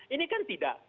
ini kan tidak